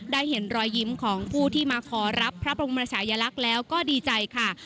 ได้เห็นรอยยิ้มของผู้ที่มาขอรับพระบรมชายลักษณ์แล้วก็ดีใจค่ะ